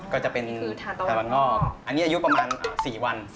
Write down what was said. ก็จะเป็นแต่ละงอกอันนี้อายุประมาณ๔วัน